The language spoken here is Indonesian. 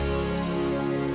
sama aku maksudnya